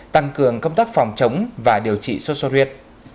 tăng cường công tác phòng chống và điều trị sốt xuất huyết